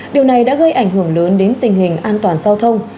điều này đã gây ảnh hưởng lớn đến tình hình an toàn giao thông